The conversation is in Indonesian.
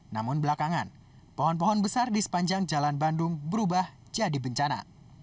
namun belakangan pohon pohon besar di sepanjang jalan bandung berubah jadi bencana